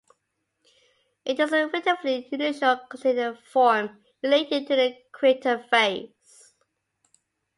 It is a relatively unusual container form, related to the Krater vase.